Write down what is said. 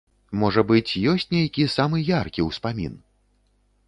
Можа быць, ёсць нейкі самы яркі успамін?